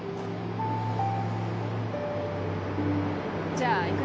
じゃあ行くね。